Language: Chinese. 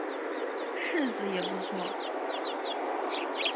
柿子也不错